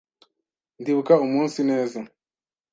Ndibuka umunsi neza.